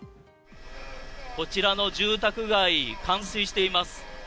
こちらの住宅街冠水しています。